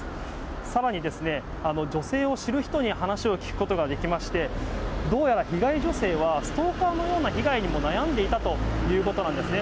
さらに、女性を知る人に話を聞くことができまして、どうやら被害女性は、ストーカーのような被害にも悩んでいたということなんですね。